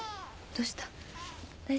どうした？